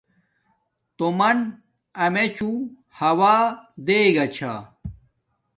تومن امیچوں ہوا چیگا چھا